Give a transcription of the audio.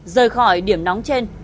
rời khỏi điểm nóng trên